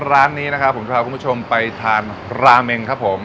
ร้านนี้นะครับผมจะพาคุณผู้ชมไปทานราเมงครับผม